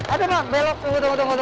ada belok tunggu tunggu tunggu